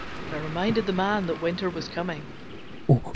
It reminded the Man that winter was coming.